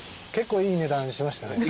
結構いい値段しました。